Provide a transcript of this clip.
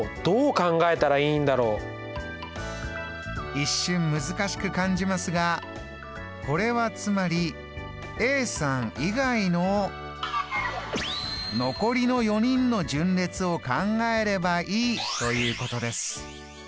一瞬難しく感じますがこれはつまりＡさん以外の残りの４人の順列を考えればいいということです。